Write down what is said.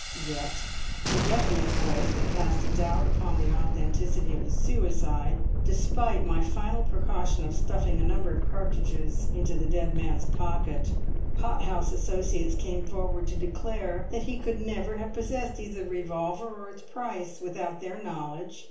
Yet the weapon it was that cast a doubt upon the authenticity of the suicide, despite my final precaution of stuffing a number of cartridges into the dead man's pocket; pot house associates came forward to declare that he could never have possessed either the revolver or its price without their knowledge.